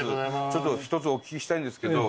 ちょっと１つお聞きしたいんですけど